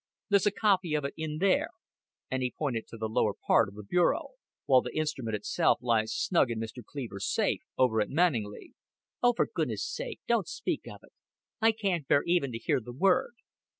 There's a copy of it in there," and he pointed to the lower part of the bureau; "while th' instrument itself lies snug in Mr. Cleaver's safe, over at Manninglea." "Oh, for goodness' sake, don't speak of it. I can't bear even to hear the word."